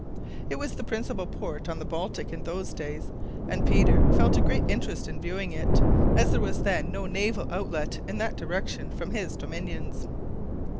It was the principal port on the Baltic in those days, and Peter felt a great interest in viewing it, as there was then no naval outlet in that direction from his dominions.